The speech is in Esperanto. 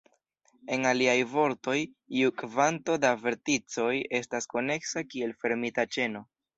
En aliaj vortoj, iu kvanto da verticoj estas koneksa kiel fermita ĉeno.